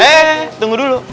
hei tunggu dulu